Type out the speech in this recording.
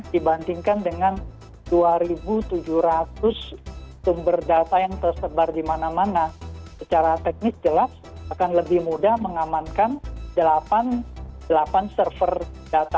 dibandingkan dengan dua tujuh ratus sumber data yang tersebar di mana mana secara teknis jelas akan lebih mudah mengamankan delapan server data